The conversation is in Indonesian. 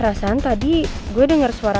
rasan tadi gue denger suara